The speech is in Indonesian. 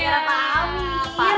gak ada pak amir